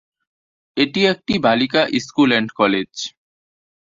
এটি একটি বালিকা স্কুল এন্ড কলেজ।